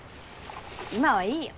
今はいいよ。